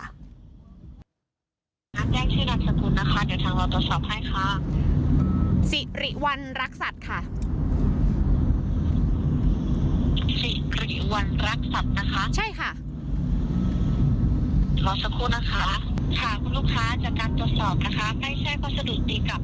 ไม่เคยส่งบริการบริษัทนี้ค่ะ